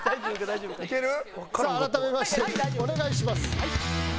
いける？さあ改めましてお願いします。